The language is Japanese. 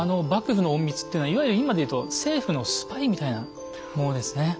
幕府の隠密っていうのはいわゆる今で言うと政府のスパイみたいなものですね。